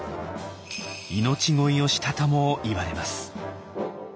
命乞いをしたともいわれます。